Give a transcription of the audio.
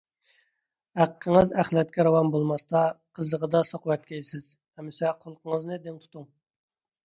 ھەققىڭىز ئەخلەتكە راۋان بولماستا قىززىغىدا سوقۇۋەتكەيسىز. ئەمسە قۇلىقىڭىزنى دىڭ تۇتۇڭ: